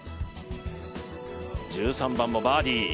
１３番もバーディー。